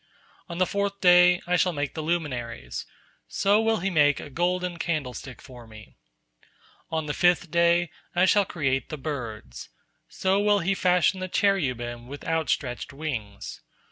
On the fourth day, I shall make the luminaries; so will he make a golden candlestick for Me. On the fifth day, I shall create the birds; so will he fashion the cherubim with outstretched wings.